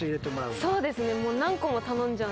そうですね。